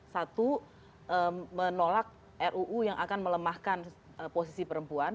satu menolak ruu yang akan melemahkan posisi perempuan